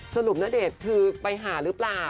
ณเดชน์คือไปหาหรือเปล่า